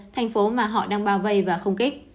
thành phố mà họ đang bao vây và không kích